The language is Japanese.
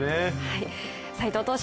斎藤投手